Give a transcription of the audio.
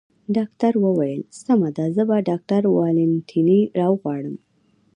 ډاکټر وویل: سمه ده، زه به ډاکټر والنتیني را وغواړم.